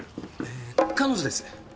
え彼女です。